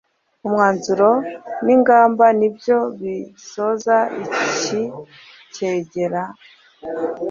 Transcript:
Umwanzuro n ingamba nibyo bisoza iki cyegeran